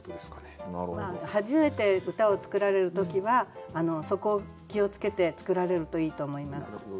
初めて歌を作られる時はそこを気を付けて作られるといいと思います。